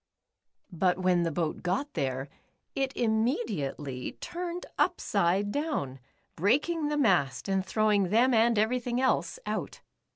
But when the boat got there, it im mediately turned upside down, breaking the mast, and throw^ing them and everything else out.